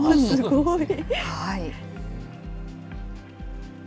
すごい。